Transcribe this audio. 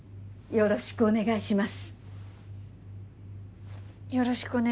よろしくお願いします。